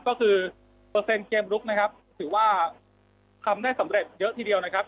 ก็คือเปอร์เซ็นต์เกมลุกนะครับถือว่าทำได้สำเร็จเยอะทีเดียวนะครับ